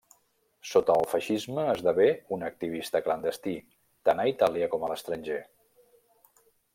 Sota el feixisme, esdevé un activista clandestí, tant a Itàlia com a l'estranger.